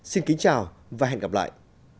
xin kính chào và hẹn gặp lại